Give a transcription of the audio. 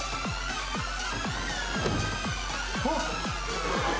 ・あっ！？